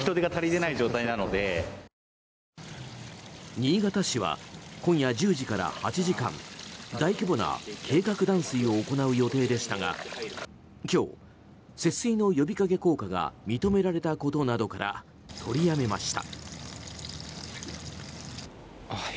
新潟市は今夜１０時から８時間大規模な計画断水を行う予定でしたが今日、節水の呼びかけ効果が認められたことなどから取りやめました。